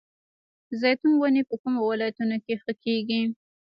د زیتون ونې په کومو ولایتونو کې ښه کیږي؟